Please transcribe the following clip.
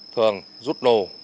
thường rút đồ